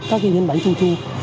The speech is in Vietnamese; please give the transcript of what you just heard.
các nhân bánh trung thu